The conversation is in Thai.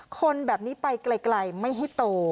คนแบบนี้ไปไกลไม่ให้โต